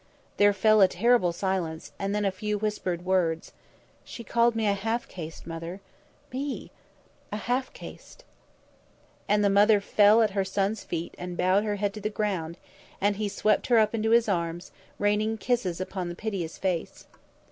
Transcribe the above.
There fell a terrible silence, and then a few whispered words. "She called me a half caste, Mother! me a half caste!" And the mother fell at her son's feet and bowed her head to the ground, and he swept her up into his arms, raining kisses upon the piteous face.